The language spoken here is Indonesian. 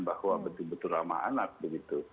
bahwa betul betul ramah anak begitu